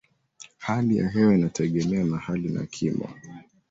Hali ya hewa inategemea mahali na kimo.